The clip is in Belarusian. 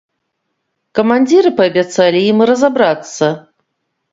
Камандзіры паабяцалі ім разабрацца.